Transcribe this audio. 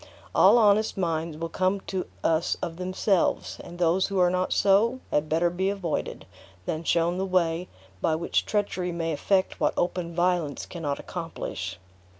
All honest minds will come to us of themselves; and those who are not so, had better be avoided, than shown the way by which treachery may effect what open violence cannot accomplish."